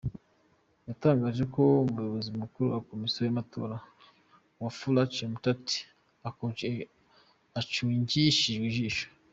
Yatangaje ko Umuyobozi Mukuru wa Komisiyo y’Amatora, Wafula Chebukati, acungishijwe ijisho.